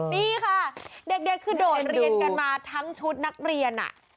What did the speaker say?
นี่ค่ะเด็กคือโดดเรียนกันมาทั้งชุดนักเรียน